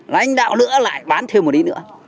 lãnh đạo nữa lại bán thêm một đí nữa